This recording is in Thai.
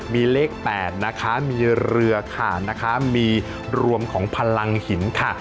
มีเลข๘นะคะมีเรือขาดนะคะมีรวมของพลังหินค่ะ